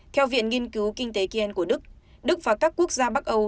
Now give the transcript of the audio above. theo viện nghiên cứu kinh tế ken của đức đức và các quốc gia bắc âu